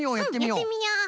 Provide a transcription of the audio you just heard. うんやってみよう。